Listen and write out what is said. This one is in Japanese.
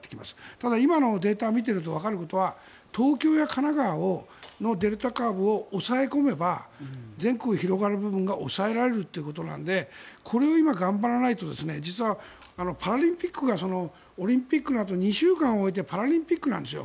ただ、今のデータを見ているとわかることは東京や神奈川のデルタ株を抑え込めば全国へ広がる部分が抑えられるということなのでこれを今、頑張らないと実は、パラリンピックがオリンピックのあと２週間置いてパラリンピックなんですよ。